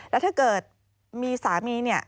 แล้วถ้าเกิดมีสามี